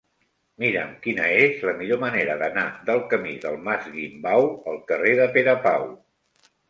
Mira'm quina és la millor manera d'anar del camí del Mas Guimbau al carrer de Pere Pau.